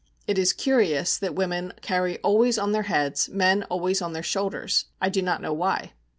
It is curious that women carry always on their heads, men always on their shoulders. I do not know why.